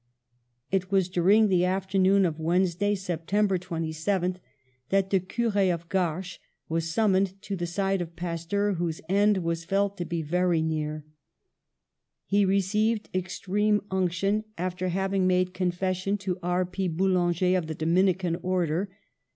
It was during the afternoon of Wednesday, September 27, that the Cure of Garches was summoned to the side of Pasteur, whose end was felt to be very near. He received extreme unction, after having made confession to R. P. Boulanger, of the Dominican order.